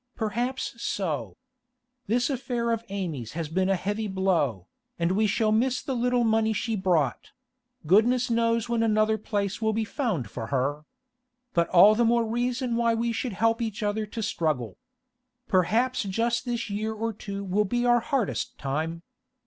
Perhaps so. This affair of Amy's has been a heavy blow, and we shall miss the little money she brought; goodness knows when another place will be found for her. But all the more reason why we should help each other to struggle. Perhaps just this year or two will be our hardest time.